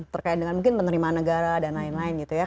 terkait dengan mungkin penerimaan negara dan lain lain gitu ya